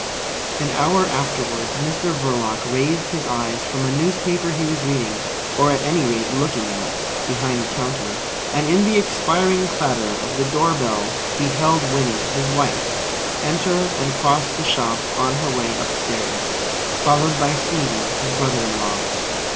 An hour afterwards Mr Verloc raised his eyes from a newspaper he was reading, or at any rate looking at, behind the counter, and in the expiring clatter of the door bell beheld Winnie, his wife, enter and cross the shop on her way upstairs, followed by Stevie, his brother in law.